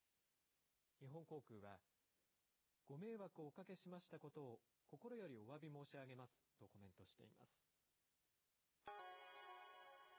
日本航空は、ご迷惑をおかけしましたことを、心よりおわび申し上げますとコメントしています。